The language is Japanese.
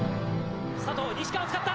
佐藤、西川を使った。